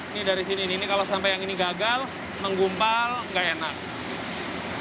ini dari sini ini kalau sampai yang ini gagal menggumpal nggak enak